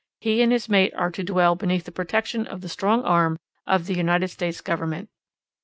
He and his mate are to dwell beneath the protection of the strong arm of the United States Government.